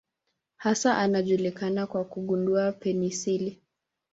Hasa anajulikana kwa kugundua penisilini.